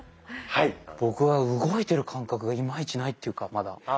僕は動いてる感覚がいまいちないっていうかまだ。